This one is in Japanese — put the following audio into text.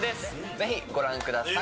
ぜひご覧ください！